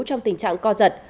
trong tình trạng co giật